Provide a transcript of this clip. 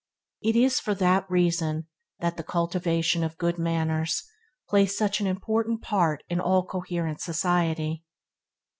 It is for the reason that the cultivation of good manners plays such an important part in all coherent society.